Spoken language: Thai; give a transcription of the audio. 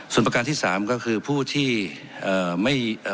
ส่วนประการที่สามก็คือผู้ที่เอ่อไม่เอ่อ